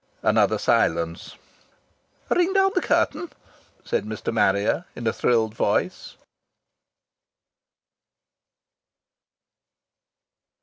Another silence.... "Ring down the curtain," said Mr. Marrier in a thrilled voice.